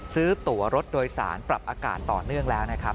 ซื้อตัวรถโดยสารปรับอากาศต่อเนื่องแล้วนะครับ